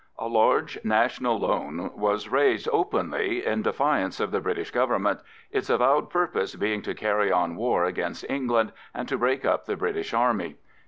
A large national loan was raised openly in defiance of the British Government, its avowed purpose being to carry on war against England and to break up the British Army.